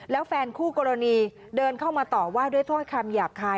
แล้วแฟนคู่กรณีเดินเข้ามาต่อว่าด้วยถ้อยคำหยาบคาย